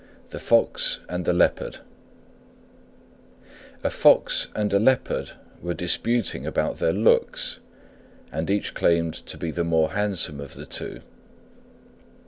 THE FOX AND THE LEOPARD A Fox and a Leopard were disputing about their looks, and each claimed to be the more handsome of the two.